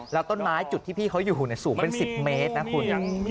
แล้วต้นไม้จุดที่พี่เขาอยู่สูงเป็น๑๐เมตรนะคุณ